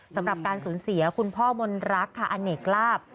สำหรับการสูญเสียคุณพ่อมนรักค่ะอเนกลาบ